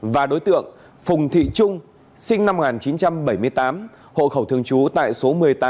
và đối tượng phùng thị trung sinh năm một nghìn chín trăm bảy mươi tám hộ khẩu thường trú tại số một mươi tám